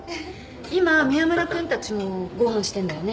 今宮村君たちもご飯してんだよね。